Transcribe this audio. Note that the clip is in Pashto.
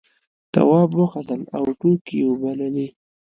تواب وخندل او ټوکې یې وبللې.